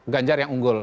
ganjar yang unggul